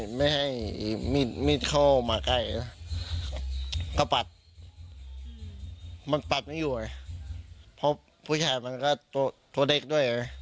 ก็ปัดปัดปัดไม่ให้มิดเข้ามาใกล้ก็ปัดมันปัดไม่อยู่เพราะผู้ชายมันก็ตัวเล็กด้วย